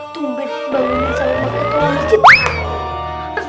tumben bangunan sahur banget gitu